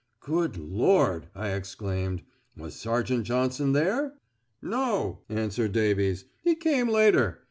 "Good Lord!" I exclaimed. "Was Sergeant Johnson there?" "No," answered Davies. "He came later.